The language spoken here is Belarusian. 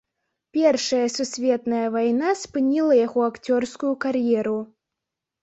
Першая сусветная вайна спыніла яго акцёрскую кар'еру.